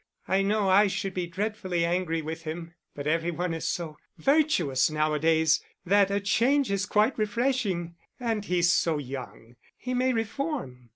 I know I should be dreadfully angry with him, but every one is so virtuous now a days that a change is quite refreshing. And he's so young, he may reform.